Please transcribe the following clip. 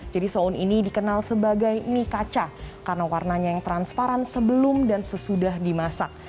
jadi so'un ini dikenal sebagai mie kaca karena warnanya yang transparan sebelum dan sesudah dimasak